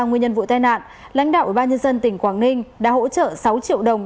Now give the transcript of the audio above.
nguyên nhân vụ tai nạn lãnh đạo ủy ban nhân dân tỉnh quảng ninh đã hỗ trợ sáu triệu đồng